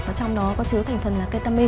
và trong đó có chứa thành phần là ketamine